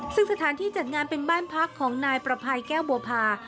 ซึ่งสถานที่จัดงานเป็นบ้านพักของนายประภัยแก้วบัวพา